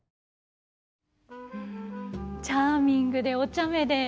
とにかくチャーミングでおちゃめで。